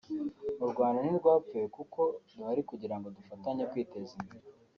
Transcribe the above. « U Rwanda ntirwapfuye kuko duhari kugira ngo dufatanye kwiteza imbere